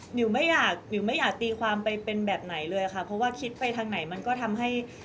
หิวไม่อยากหิวไม่อยากตีความไปเป็นแบบไหนเลยค่ะเพราะว่าคิดไปทางไหนมันก็ทำให้